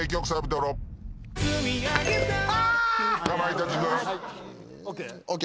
かまいたち軍。ＯＫ？